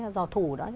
giò thủ đó